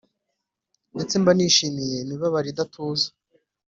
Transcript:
ndetse mba nishimiye imibabaro idatuza,